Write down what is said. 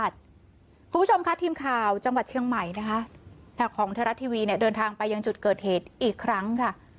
เดินทางไปยังจุดเกิดเหตุอีกครั้งค่ะ